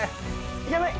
やばい！